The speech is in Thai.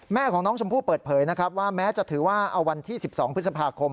แม่ของน้องชมพู่เปิดเผยนะครับว่าแม้จะถือว่าเอาวันที่๑๒พฤษภาคม